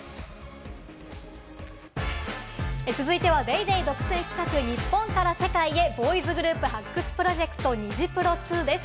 続いては『ＤａｙＤａｙ．』独占企画、日本から世界へ、ボーイズグループ発掘プロジェクト、ニジプロ２です。